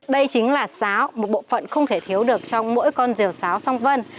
đây chính là sáo một bộ phận không thể thiếu được trong mỗi con rìu xáo song vân